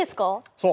そう。